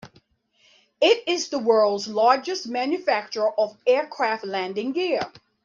It is the world's largest manufacturer of aircraft landing gear.